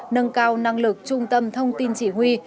nâng cao năng lực trung tâm thông tin chỉ huy